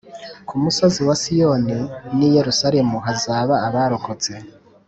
Ku musozi wa siyoni n i yerusalemu hazaba abarokotse